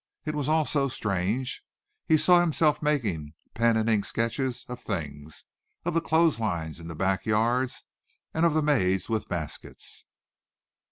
It was all so strange. He saw himself making pen and ink sketches of things, of the clothes lines in the back yards and of the maids with baskets.